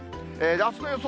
あすの予想